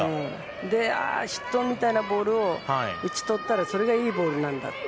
失投みたいなボールを打ち取ったらそれがいいボールなんだって。